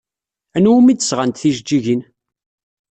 Anwa umi d-sɣant tijeǧǧigin?